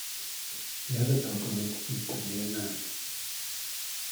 The other pilgrimage is to Vietnam.